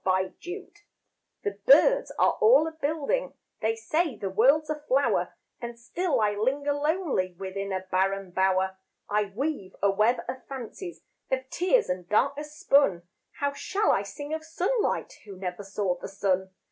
The Blind The birds are all a building, They say the world's a flower, And still I linger lonely Within a barren bower. I weave a web of fancies Of tears and darkness spun. How shall I sing of sunlight Who never saw the sun?